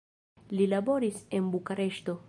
Li laboris en Bukareŝto.